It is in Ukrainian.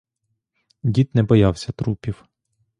Дід не боявся трупів.